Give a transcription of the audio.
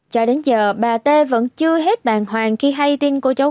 cho đến giờ bà t vẫn chưa hết bàn hoàng khi hay tin cô cháu